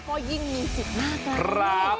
ก็ยิ่งมีสิทธิ์มากกัน